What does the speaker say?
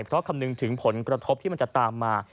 เพราะคำนึงถึงผลกระทบที่มันจะตามมา